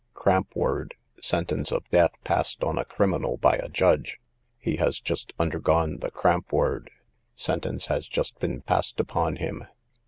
Cramp word, sentence of death passed on a criminal by a judge:—he has just undergone the cramp word; sentence has just been passed upon him.